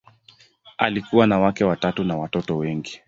Alikuwa na wake watatu na watoto wengi.